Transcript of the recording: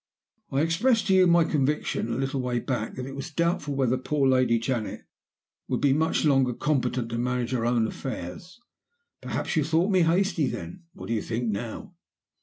"I expressed to you my conviction a little way back that it was doubtful whether poor Lady Janet would be much longer competent to manage her own affairs. Perhaps you thought me hasty then? What do you think now?